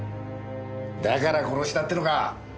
だから殺したってのか？